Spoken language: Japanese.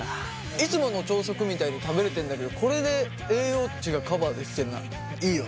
いつもの朝食みたいに食べれてんだけどこれで栄養値がカバーできてんならいいよね。